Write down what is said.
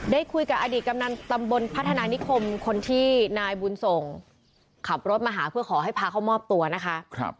ได้คุยกับอดีตกำนันตำบลพัฒนานิคมคนที่นายบุญส่งขับรถมาหาเพื่อขอให้พาเขามอบตัวนะคะ